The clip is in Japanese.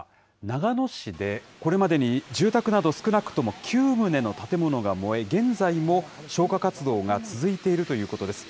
長野市で、これまでに住宅など少なくとも９棟の建物が燃え、現在も消火活動が続いているということです。